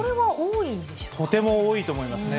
とても多いと思いますね。